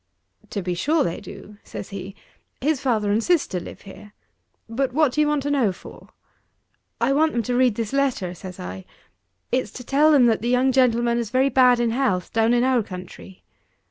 "To be sure they do," says he; "his father and sister live here: but what do you want to know for?" "I want them to read this letter," says I. "It's to tell them that the young gentleman is very bad in health down in our country."